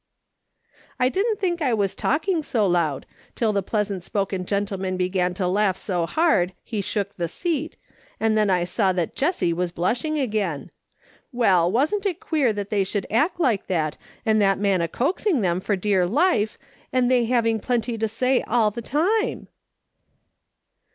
"I didn't think I was talking so loud, till the pleasant spoken gentleman began to laugh so hard he shook the seat, and then I saw that Jessie was blushing again. Well, now, wasn't it queer that 30 MRS. SOLOMON SMITH LOOKIXG ON. they sliuukl act like that and that man a coaxing them for dear life, and they having plenty to say all the time